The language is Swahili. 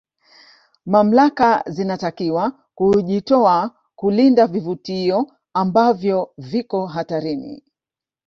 mamlaka zinatakiwa kuujitoa kulinda vivutio ambavyo viko hatarini